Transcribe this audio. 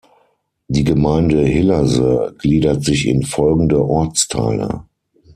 Die Gemeinde Hillerse gliedert sich in folgende Ortsteile.